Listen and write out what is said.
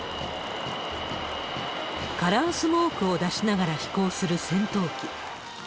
カラースモークを出しながら飛行する戦闘機。